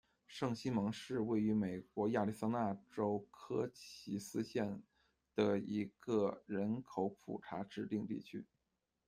圣西蒙是位于美国亚利桑那州科奇斯县的一个人口普查指定地区。